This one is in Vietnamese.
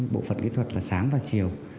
bộ phận kỹ thuật là sáng và chiều